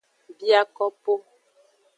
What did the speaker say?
Biakopo.